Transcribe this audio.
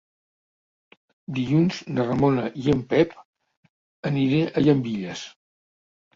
Dilluns na Ramona i en Pep aniré a Llambilles.